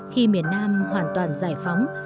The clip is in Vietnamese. khi miền nam hoàn toàn giải phóng